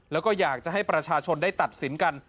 แล้วก็อยากจะให้ประชาชนได้ตัดสินกัน